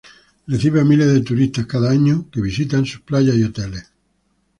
Recibe a miles de turistas cada año que visitan sus playas y hoteles.